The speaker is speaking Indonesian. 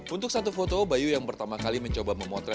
untuk satu foto bayu yang pertama kali mencari sepeda ini